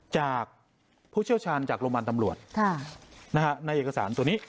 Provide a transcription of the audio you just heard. จากผู้เชี่ยวชาญจากโรงพยาบาลตำรวจในเอกสารตัวนี้